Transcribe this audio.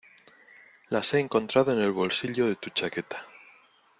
las he encontrado en el bolsillo de tu chaqueta